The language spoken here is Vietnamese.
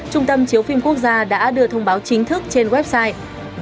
trung tâm chiếu phim quốc gia đã đưa thông báo chính thức trên website